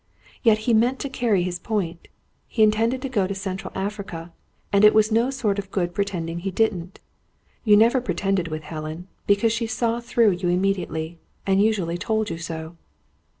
But he meant to carry his point. He intended to go to Central Africa, and it was no sort of good pretending he did not. You never pretended with Helen, because she saw through you immediately, and usually told you so.